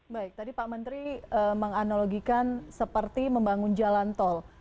baik tadi pak menteri menganalogikan seperti membangun jalan tol